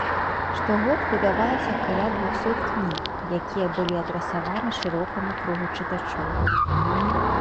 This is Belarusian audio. Штогод выдавалася каля двухсот кніг, якія былі адрасаваны шырокаму кругу чытачоў.